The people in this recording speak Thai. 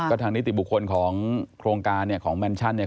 ทางนิติบุคคลของโครงการเนี่ยของแมนชั่นเนี่ย